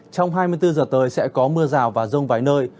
trong hai mươi bốn giờ tới sẽ có mưa rào và rông vài nơi